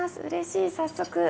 うれしい早速。